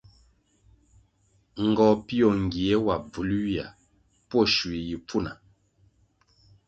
Ngohpio ngie wa bvul ywia pwo shui yi pfuna.